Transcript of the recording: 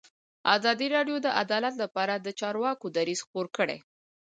ازادي راډیو د عدالت لپاره د چارواکو دریځ خپور کړی.